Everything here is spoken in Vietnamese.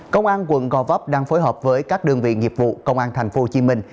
công an quận gò vấp đang phối hợp với các đơn vị nghiệp vụ công an thành phố hồ chí minh